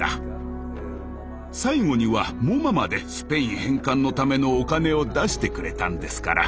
最後にはＭｏＭＡまでスペイン返還のためのお金を出してくれたんですから。